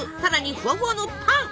ふわふわのパン！